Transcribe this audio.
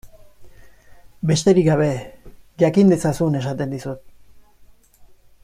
Besterik gabe, jakin dezazun esaten dizut.